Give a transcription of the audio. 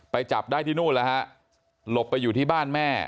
จับได้ที่นู่นแล้วฮะหลบไปอยู่ที่บ้านแม่